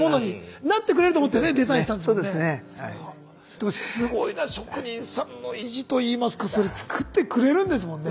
でもすごいな職人さんの意地といいますかそれ作ってくれるんですもんね。